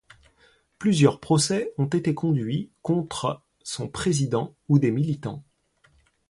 Plusieurs procès ont été conduits contre son président ou des militants.